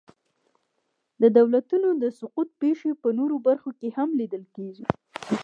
د دولتونو د سقوط پېښې په نورو برخو کې هم لیدل کېږي.